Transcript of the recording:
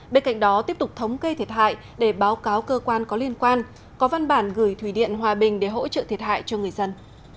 bên cạnh đó tiếp tục thống kê thiệt hại để báo cáo cơ quan có liên quan có văn bản gửi thủy điện hòa bình để hỗ trợ thiệt hại cho người dân